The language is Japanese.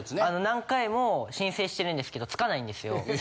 何回も申請してるんですけどつかないんですよ。